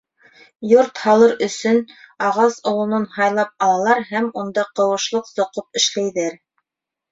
Йорт һалыр өсөн ағас олонон һайлап алалар һәм унда ҡыуышлыҡ соҡоп эшләйҙәр.